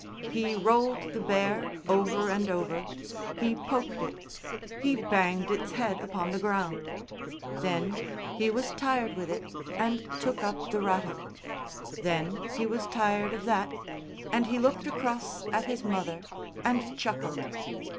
He rolled the bear over and over, he poked it, he banged its head upon the ground. Then he was tired with it and took up the rattle. Then he was tired of that, and he looked across at his mother and chuckled.